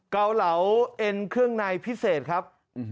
เกาเหลาเอ็นเครื่องในพิเศษครับ